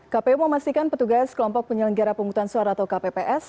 kpu memastikan petugas kelompok penyelenggara penghutang suara atau kpps